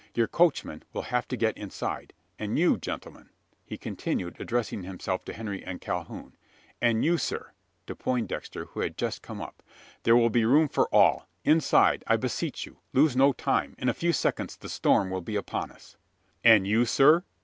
Your coachman will have to get inside; and you, gentlemen!" he continued, addressing himself to Henry and Calhoun "and you, sir;" to Poindexter, who had just come up. "There will be room for all. Inside, I beseech you! Lose no time. In a few seconds the storm will be upon us!" "And you, sir?"